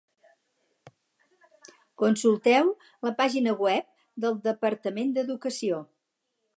Consulteu la pàgina web del Departament d'Educació.